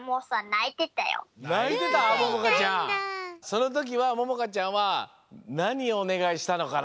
そのときはももかちゃんはなにをおねがいしたのかな？